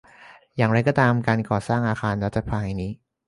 อย่างไรก็ตามการก่อสร้างอาคารรัฐสภาแห่งนี้